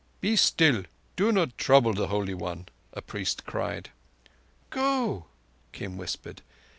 "Be still. Do not trouble the Holy One," a priest cried. "Go," Kim whispered.